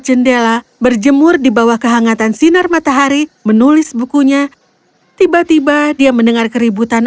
jendela berjemur di bawah kehangatan sinar matahari menulis bukunya tiba tiba dia mendengar keributan